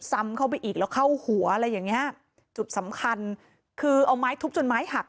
ซ้ำเข้าไปอีกแล้วเข้าหัวอะไรอย่างเงี้ยจุดสำคัญคือเอาไม้ทุบจนไม้หัก